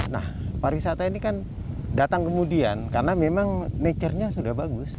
nah pariwisata ini kan datang kemudian karena memang nature nya sudah bagus